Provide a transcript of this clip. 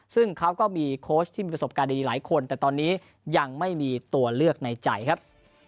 ซึ่งเขาก็มีโค้ชที่มีประสบการณ์ดีหลายคนแต่ตอนนี้ยังไม่มีตัวเลือกในใจครับ